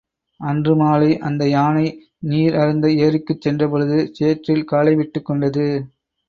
அன்று மாலை, அந்த யானை நீர் அருந்த ஏரிக்குச் சென்றபொழுது சேற்றில் காலை விட்டுக்கொண்டது.